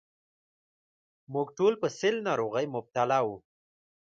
موږ ټول په سِل ناروغۍ مبتلا وو.